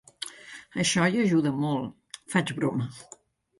Això hi ajuda molt —faig broma.